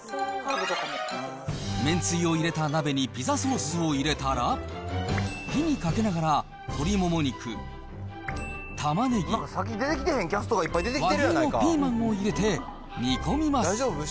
めんつゆを入れた鍋にピザソースを入れたら、火にかけながら鶏もも肉、たまねぎ、輪切りのピーマンを入れて煮込みます。